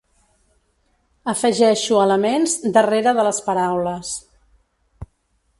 Afegeixo elements darrere de les paraules.